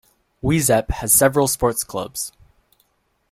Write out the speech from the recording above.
Wezep has several sport clubs.